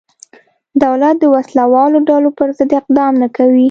دولت د وسله والو ډلو پرضد اقدام نه کوي.